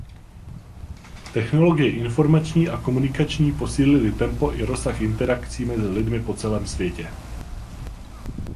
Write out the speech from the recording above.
Technologie informační a komunikační posílily tempo i rozsah interakcí mezi lidmi po celém světě.